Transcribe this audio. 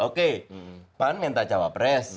oke pan minta cawa pres